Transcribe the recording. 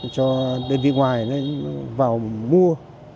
cho đơn vị ngoài vào mua